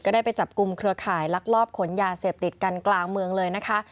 ได้ไปจับกลุ่มเครือข่ายลักลอบขนยาเสพติดกันกลางเมืองเลยนะคะ